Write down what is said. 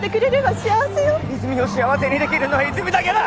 泉を幸せにできるのは泉だけだ！